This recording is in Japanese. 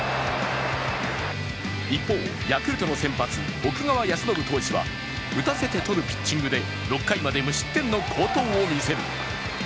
一方、ヤクルトの先発・奥川恭伸投手は打たせて取るピッチングで６回まで無失点の好投を見せる。